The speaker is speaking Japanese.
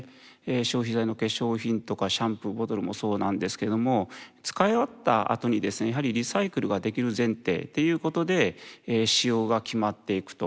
消費財の化粧品とかシャンプーボトルもそうなんですけども使い終わったあとにですねやはりリサイクルができる前提っていうことで仕様が決まっていくと。